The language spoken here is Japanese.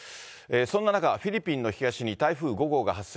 そんな中、フィリピンの東に台風５号が発生。